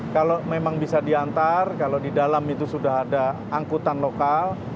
kalau memang bisa diantar kalau di dalam itu sudah ada angkutan lokal